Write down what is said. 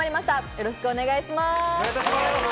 よろしくお願いします。